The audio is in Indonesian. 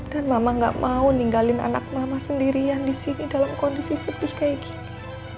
dan mama gak mau ninggalin anak mama sendirian di sini dalam kondisi sedih kayak gini